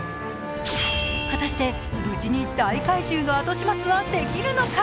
果たして、無事に大怪獣の後始末はできるのか。